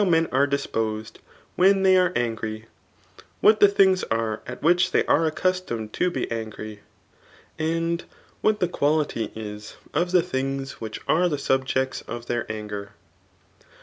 men are dispoi^ when they are angry, what the things are at which tbqf are accustomed to be angry, and what the quality is of the things which aye the subjects of their anger.